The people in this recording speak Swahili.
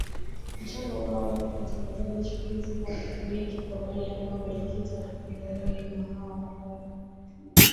Mchango wao kwa watangazaji chipukizi haupimiki kwa wale ambao walipitia mikononi mwa hawa wakongwe